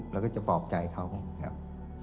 แล้วก็จะปลอบใจเขาครับ